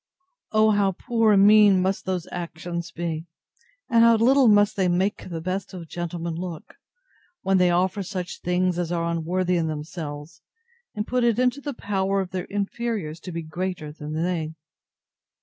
O how poor and mean must those actions be, and how little must they make the best of gentlemen look, when they offer such things as are unworthy of themselves, and put it into the power of their inferiors to be greater than they!